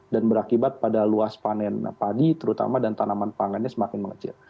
dan berakibat pada luas panen padi terutama dan tanaman pangannya semakin mengecil